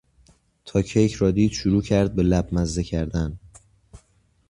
تا کیک را دید شروع کرد به لب مزه کردن.